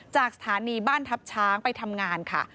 จากสถานีบ้านทัพช้างไปทำงานค่ะ